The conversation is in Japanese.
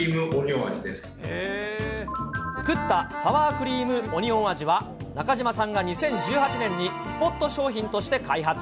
クッタサワークリームオニオン味は中嶋さんが２０１８年に、スポット商品として開発。